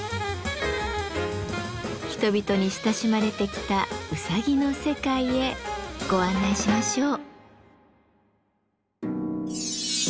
人々に親しまれてきたうさぎの世界へご案内しましょう。